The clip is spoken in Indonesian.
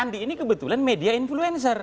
andi ini kebetulan media influencer